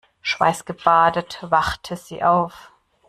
Schweißgebadet wachte sie auf.